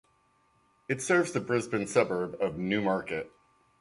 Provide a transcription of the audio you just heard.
It serves the Brisbane suburb of Newmarket.